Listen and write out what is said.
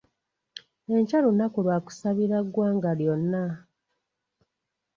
Enkya lunaku lwa kusabira ggwanga lyonna..